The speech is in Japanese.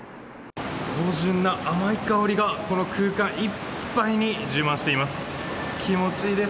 芳じゅんな甘い香りが、この空間いっぱいに充満しています。